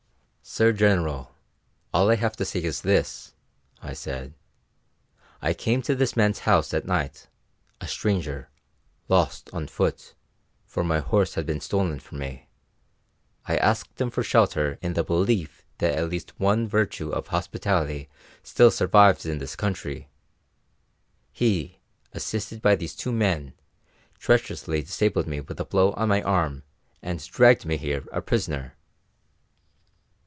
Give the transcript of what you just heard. "Sir General, all I have to say is this," I said; "I came to this man's house at night, a stranger, lost, on foot, for my horse had been stolen from me. I asked him for shelter in the belief that at least the one virtue of hospitality still survives in this country. He, assisted by these two men, treacherously disabled me with a blow on my arm and dragged me here a prisoner."